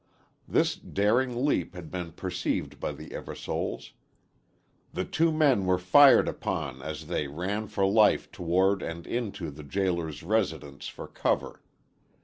This daring leap had been perceived by the Eversoles. The two men were fired upon as they ran for life toward and into the jailer's residence for cover.